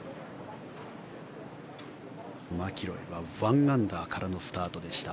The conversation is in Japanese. マキロイは１アンダーからのスタートでした。